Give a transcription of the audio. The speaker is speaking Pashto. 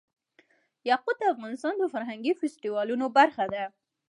یاقوت د افغانستان د فرهنګي فستیوالونو برخه ده.